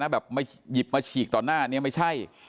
แบบมาหยิบมาฉีกต่อหน้านี้ไม่ใช่